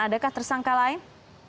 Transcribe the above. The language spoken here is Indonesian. adakah tersangka lain